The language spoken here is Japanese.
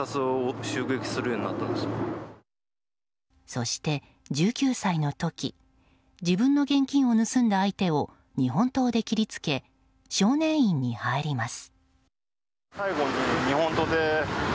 そして１９歳の時自分の現金を盗んだ相手を日本刀で切り付け少年院に入ります。